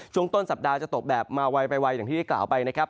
ช่วงต้นสัปดาห์จะตกแบบมาไวไปไวอย่างที่ได้กล่าวไปนะครับ